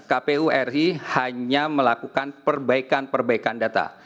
kpuri hanya melakukan perbaikan perbaikan data